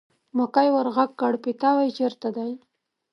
مکۍ ور غږ کړل: پیتاوی چېرته دی.